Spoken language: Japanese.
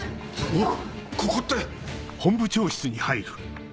おいここって！